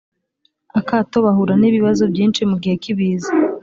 akato bahura n ibibazo byinshi mu gihe k ibiza